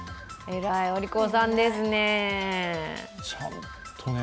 えらい、お利口さんですね。